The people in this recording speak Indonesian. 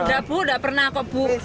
nggak bu nggak pernah kok bu